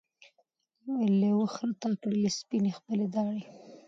لېوه خره ته کړلې سپیني خپلي داړي